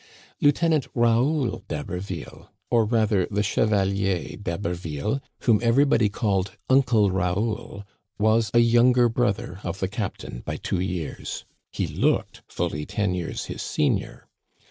Lieutenant Raoul d'Haberville, or rather the Cheva lier d'Haberville, whom everybody called Uncle Raoul, was a younger brother of the captain by two years. He looked fully ten years his senior.